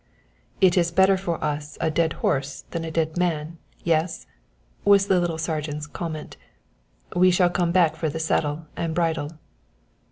"It was better for us a dead horse than a dead man yes?" was the little sergeant's comment. "We shall come back for the saddle and bridle."